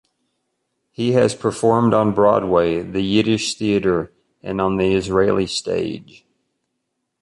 He has performed on Broadway, the Yiddish theater, and on the Israeli stage.